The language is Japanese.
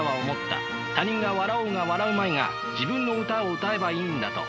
他人が笑おうが笑うまいが自分の歌を歌えばいいんだと。